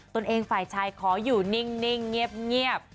ตัวเองฝ่ายชายขออยู่นิ่งเงียบ